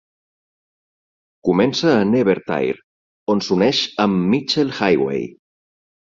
Comença a Nevertire, on s'uneix amb Mitchell Highway.